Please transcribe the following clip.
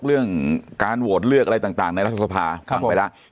เรื่องการโหวตเลือกอะไรต่างในรัฐสภาฟังไปแล้ว